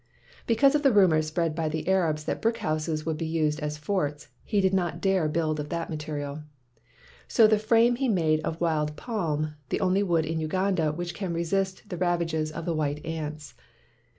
Because of the rumors spread by the Arabs that brick houses would be used as forts, he did not dare build of that material. So the frame he made of wild palm, the only wood in Uganda which can resist the rav ages of the white ants.